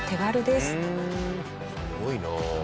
すごいな。